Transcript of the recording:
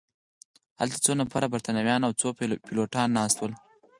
هلته څو نفره بریتانویان او څو پیلوټان ناست ول.